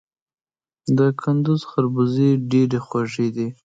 د کندز خربوزې ډیرې خوږې دي